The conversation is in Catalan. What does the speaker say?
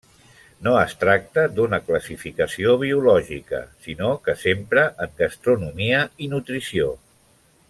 No es tracta d'una classificació biològica sinó que s'empra en gastronomia i nutrició.